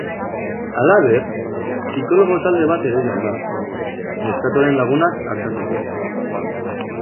Halaber, psikologo talde bat ere joan da, neskatoaren lagunak artatzeko.